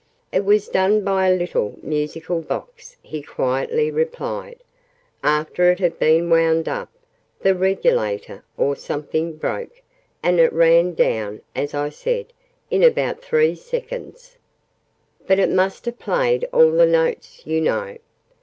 "It was done by a little musical box," he quietly replied. "After it had been wound up, the regulator, or something, broke, and it ran down, as I said, in about three seconds. But it must have played all the notes, you know!"